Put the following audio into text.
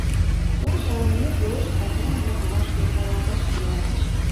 Чыла шаланымек, уэш стакан-влак ваш перкалалташ тӱҥальыч.